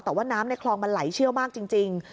แต่ว่าน้ำในคลองมันไหลเชี่ยวมากจริง